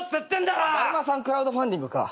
だるまさんクラウドファンディングか。